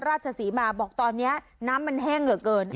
ว่าตอนนี้น้ำมันแห้งกัน